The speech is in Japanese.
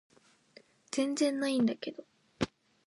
全然ないんだけど